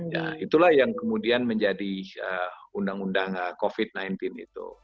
ya itulah yang kemudian menjadi undang undang covid sembilan belas itu